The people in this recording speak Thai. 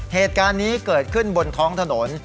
เหตุการณ์นี้เกิดขึ้นบนท้องถนน